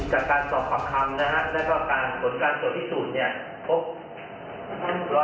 จากการสอบของคำและการส่วนการโชคพิสูจน์เนี่ย